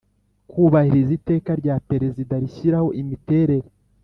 Kubahiriza Iteka Rya Perezida Rishyiraho Imiterere